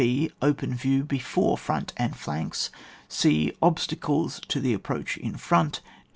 (h) Open view before front and flanks. {e) Obstacles to the approach in front.